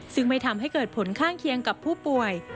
ซึ่งไม่ทำให้เกิดผลข้างเคียงกับผู้ป่วย